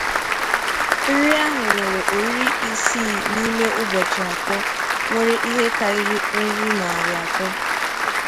Nri ahụ nwere oriri isii n'ime ụbọchị atọ nwere ihe karịrị nri narị atọ.